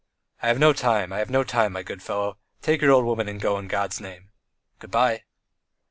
"I have no time, I have no time, my good fellow. Take your old woman and go in God's name. Goodbye."